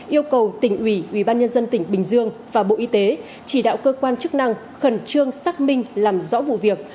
yêu cầu tỉnh ủy ubnd tỉnh bình dương và bộ y tế chỉ đạo cơ quan chức năng khẩn trương xác minh làm rõ vụ việc